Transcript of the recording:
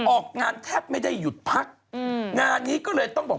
ออกงานแทบไม่ได้หยุดพักอืมงานนี้ก็เลยต้องบอก